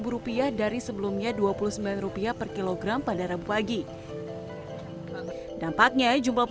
rupiah dari sebelumnya dua puluh sembilan rupiah per kilogram pada rabu pagi dampaknya jumlah